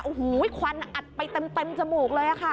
โอ้โหควันอัดไปเต็มจมูกเลยค่ะ